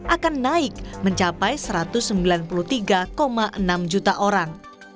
akan naik mencapai satu ratus sembilan puluh tiga enam juta orang